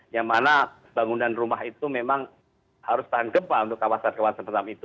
yang mana bangunan rumah itu memang harus tahan gempa untuk kawasan kawasan tetap itu